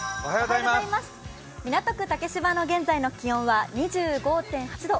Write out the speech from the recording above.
港区竹芝の現在の気温は２５．８度。